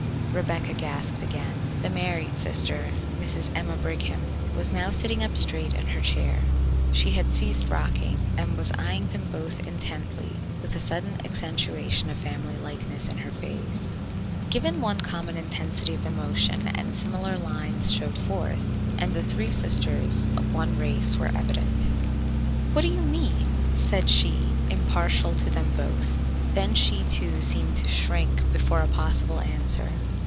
Rebecca gasped again. The married sister, Mrs. Emma Brigham, was now sitting up straight in her chair; she had ceased rocking, and was eyeing them both intently with a sudden accentuation of family likeness in her face. Given one common intensity of emotion and similar lines showed forth, and the three sisters of one race were evident. "What do you mean?" said she impartially to them both. Then she, too, seemed to shrink before a possible answer.